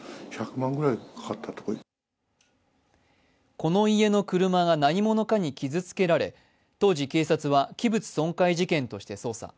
この家の車が何者かに傷つけられ、当時、警察は器物損壊事件として捜査。